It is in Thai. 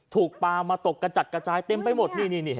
ถูกปลามาตกกระจัดกระจายเต็มไปหมดนี่